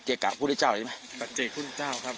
ปัจจักรพุทธเจ้าใช่ไหมปัจจักรพุทธเจ้าครับ